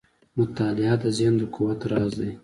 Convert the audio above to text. • مطالعه د ذهن د قوت راز دی.